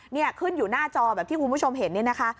นี่ขึ้นอยู่หน้าจอแบบที่คุณผู้ชมเห็นนี่นะคะ